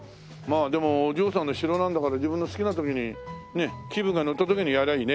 でもお嬢さんの城なんだから自分の好きな時にね気分がのった時にやればいいね。